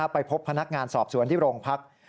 ไปพบพนักงานสอบสวนที่โรงพัก